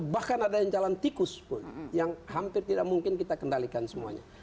bahkan ada yang jalan tikus pun yang hampir tidak mungkin kita kendalikan semuanya